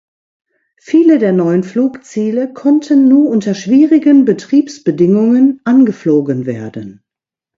Viele der neuen Flugziele konnten nur unter schwierigen Betriebsbedingungen angeflogen werden.